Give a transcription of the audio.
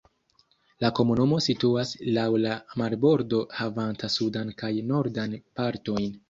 La komunumo situas laŭ la marbordo havanta sudan kaj nordan partojn.